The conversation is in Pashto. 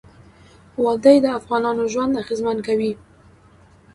وادي د افغانانو ژوند اغېزمن کوي.